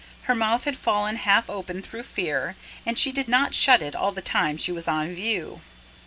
Her mouth had fallen half open through fear, and she did not shut it all the time she was on view.